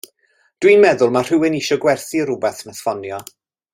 Dw i'n meddwl mai rhywun isio gwerthu r'wbath nath ffonio.